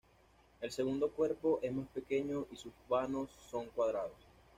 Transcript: El segundo cuerpo es más pequeño y sus vanos son cuadrados.